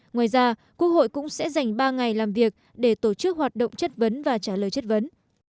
ngoài ra quốc hội cũng sẽ dành ba ngày làm việc để tổ chức hoạt động chất vấn và trả lời chất vấn